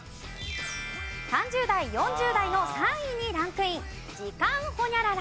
３０代４０代の３位にランクイン時間ホニャララ。